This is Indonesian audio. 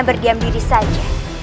berdiam diri saja